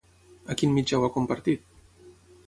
A quin mitjà ho ha compartit?